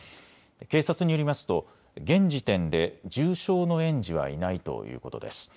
警察によりますと現時点で重傷の園児はいないということです。